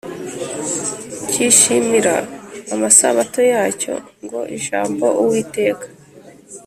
Cyishimira amasabato yacyo ngo ijambo uwiteka